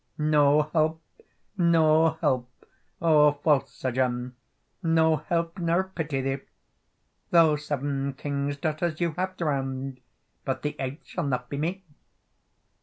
"No help, no help, O false Sir John, No help, nor pity thee; Tho' seven kings' daughters you have drownd, But the eighth shall not be me."